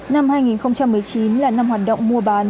năm hai nghìn một mươi chín là năm hoạt động mua bán